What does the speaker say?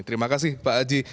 terima kasih pak haji